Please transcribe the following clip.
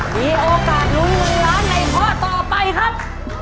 มีโอกาสหนุนหนึ่งล้านในข้อต่อไปครับ